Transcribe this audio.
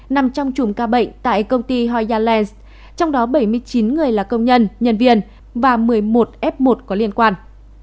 nằm trong chùm ca bệnh tại công ty hoy yales trong đó bảy mươi chín người là công nhân nhân viên và một mươi một f một có liên quan